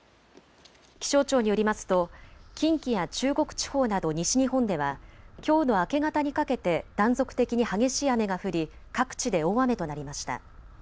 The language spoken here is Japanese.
気象庁によりますと近畿や中国地方など西日本ではきょうの明け方にかけて断続的に激しい雨が降り各地で大雨となりました。